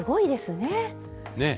ねえ。